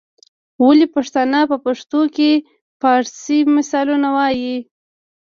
ولي پښتانه په پښتو ژبه کي فارسي مثالونه وايي؟